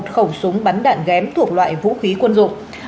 một khẩu súng bắn đạn ghém thuộc loại vũ khí quân dụng